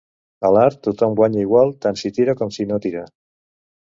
A l'art, tothom guanya igual, tant si tira com si no tira.